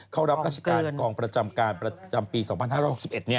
เข้ารับราชการกองประจำการประจำปี๒๕๖๑